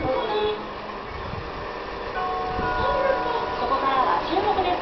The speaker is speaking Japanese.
ここからは、チューモク！です。